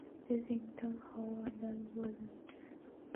Visiting Toynbee Hall, Addams was enchanted.